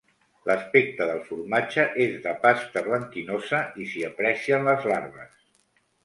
L'aspecte del formatge és de pasta blanquinosa i s'hi aprecien les larves.